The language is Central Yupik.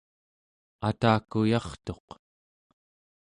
atakuyartuq